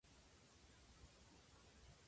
風邪をひいたようだ